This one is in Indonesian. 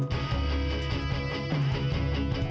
kamu masih hati hati atau gerak